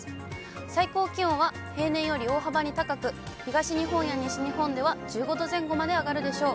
最高気温は平年より大幅に高く、東日本や西日本では、１５度前後まで上がるでしょう。